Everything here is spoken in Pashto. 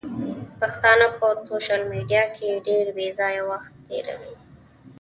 پښتانه په سوشل ميډيا کې ډېر بېځايه وخت تيروي.